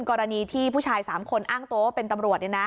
กรณีที่ผู้ชายสามคนอ้างโตเป็นตำรวจ